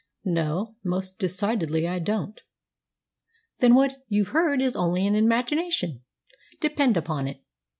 "No. Most decidedly I don't." "Then what you've heard is only in imagination, depend upon it.